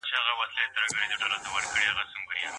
که په غرونو کي تخمونه وپاشل سي، نو بوټي نه کمیږي.